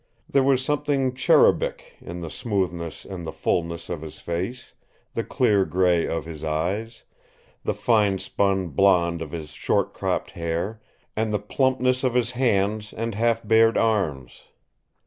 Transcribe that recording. There was something cherubic in the smoothness and the fullness of his face, the clear gray of his eyes, the fine spun blond of his short cropped hair, and the plumpness of his hands and half bared arms.